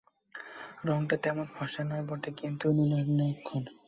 রঙটা তেমন ফর্সা নয় বটে, কিন্তু- নলিনাক্ষ।